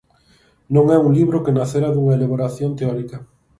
Non é un libro que nacera dunha elaboración teórica.